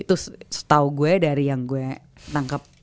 itu setahu gue dari yang gue tangkap